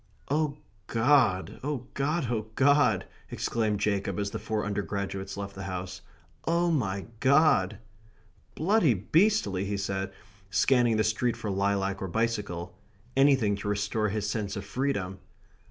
"Oh God, oh God, oh God!" exclaimed Jacob, as the four undergraduates left the house. "Oh, my God!" "Bloody beastly!" he said, scanning the street for lilac or bicycle anything to restore his sense of freedom.